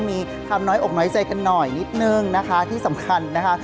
มีความน้อยอกน้อยใจกันหน่อยนิดนึงนะคะที่สำคัญนะคะ